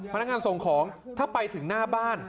พนักงานส่งของถ้าไปถึงหน้าบ้าน